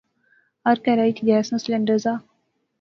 ہر کہرا اچ گیس نا سلنڈر زا